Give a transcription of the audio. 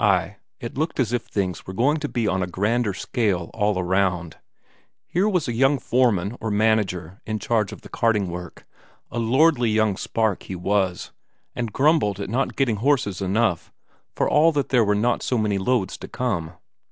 Ay, it looked as if things were going to be on a grander scale all round. Here was a young foreman or manager in charge of the carting work; a lordly young spark he was, and grumbled at not getting horses enough, for all that there were not so many loads to come.